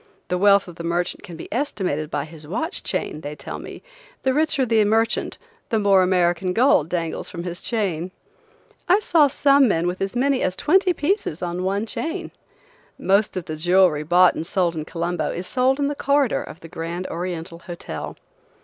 The wealth of the merchant can be estimated by his watch chain, they tell me; the richer the merchant the more American gold dangles from his chain. I saw some men with as many as twenty pieces on one chain. Most of the jewelry bought and sold in Colombo is sold in the corridor of the Grand Oriental Hotel.